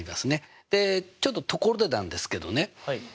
でちょっとところでなんですけどね